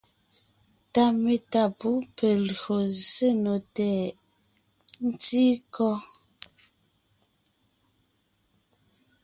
Ta metá pú pe lyò zsé nò tɛʼ ? ntí kɔ́?